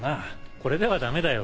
これではダメだよ